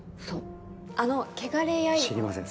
そうあの「けがれやいば」